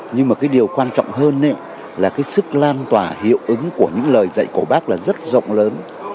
nhưng mà cái điều quan trọng hơn là cái sức lan tỏa hiệu ứng của những lời dạy của bác là rất rộng lớn